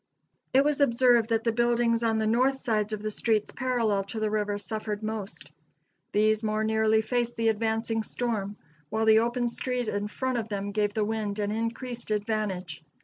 It was observed that the buildings on the north sides of the streets parallel to the river suffered most. These more nearly faced the advancing storm, while the open street in front of them gave the wind an increased advantage.